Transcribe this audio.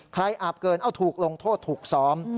อาบเกินเอาถูกลงโทษถูกซ้อม